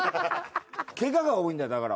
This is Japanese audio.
怪我が多いんだよだから。